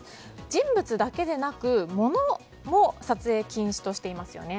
人物だけでなく物も撮影禁止としていますよね。